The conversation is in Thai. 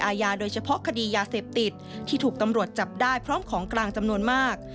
อาญาโดยเฉพาะคดียาเสพติดที่ถูกตำรวจจับได้พร้อมของกลางจำนวนมาก